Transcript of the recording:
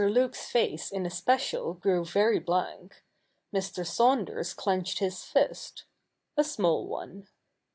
Luke's face in especial grew very blank. Mr. Saunders clenched his fist — a small one.